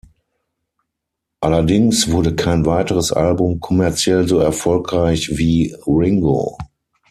Allerdings wurde kein weiteres Album kommerziell so erfolgreich wie "Ringo".